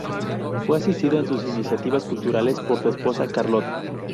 Fue asistido en sus iniciativas culturales por su esposa, Carlota.